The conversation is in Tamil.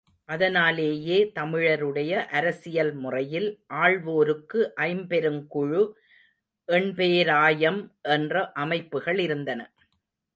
அதனாலேயே தமிழருடைய அரசியல் முறையில் ஆள்வோருக்கு ஐம்பெருங்குழு, எண்பேராயம் என்ற அமைப்புக்கள் இருந்தன.